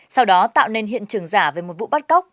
sau đó tạo nên hiện trường giả về một vụ bắt cóc